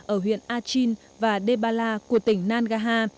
ở huyện achin và debala của tỉnh nangaha